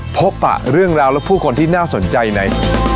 ปะเรื่องราวและผู้คนที่น่าสนใจใน